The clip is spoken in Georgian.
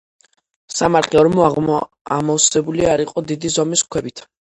სამარხი ორმო ამოვსებული არ იყო დიდი ზომის ქვებით.